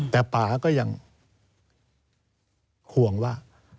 แต่ป่าก็ยังห่วงว่า